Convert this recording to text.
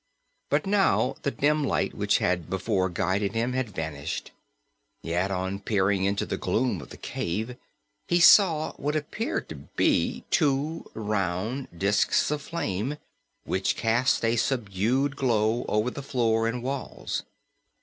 But now the dim light, which had before guided him, had vanished; yet on peering into the gloom of the cave he saw what appeared to be two round disks of flame, which cast a subdued glow over the floor and walls.